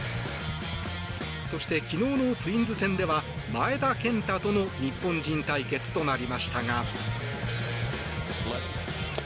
そして、昨日のツインズ戦では前田健太との日本人対決となりましたが。